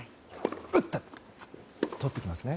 打って、とってきますね。